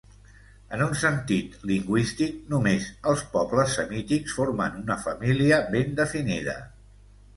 En un sentit lingüístic, només els pobles semítics formen una família ben definida.